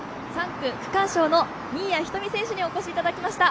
３区区間賞の新谷仁美選手にお越しいただきました。